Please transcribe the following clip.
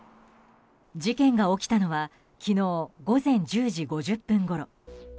事件が起きたのは昨日午前１０時５０分ごろ。